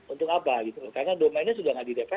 untuk apa karena domainnya sudah tidak di dpr